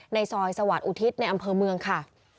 ในซอยสวัสดิอุทิศในอำเภอเมืองค่ะ